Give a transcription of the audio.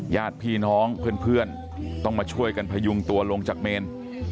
ญาติพี่น้องเพื่อนต้องมาช่วยกันพยุงตัวลงจากเมน